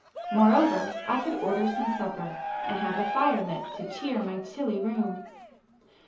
Moreover I could order some supper, and have a fire lit to cheer my chilly room.